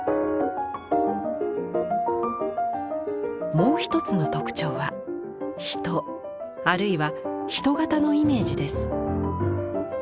もう一つの特徴は「ひと」あるいは人型のイメージです。